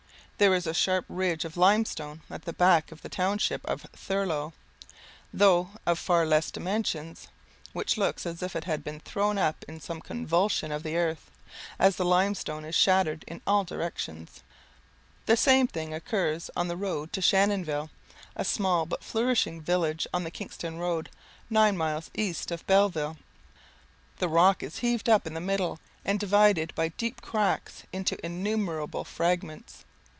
There is a sharp ridge of limestone at the back of the township of Thurlow, though of far less dimensions, which looks as if it had been thrown up in some convulsion of the earth, as the limestone is shattered in all directions. The same thing occurs on the road to Shannonville, a small but flourishing village on the Kingston road, nine miles east of Belleville. The rock is heaved up in the middle, and divided by deep cracks into innumerable fragments.